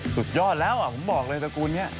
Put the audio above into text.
สุดยอดแล้วผมบอกเลยตระกูลนี้